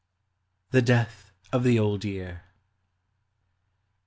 THE DEATH OF THE OLD YEAR.